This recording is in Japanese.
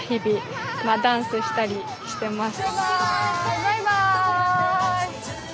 バイバイ！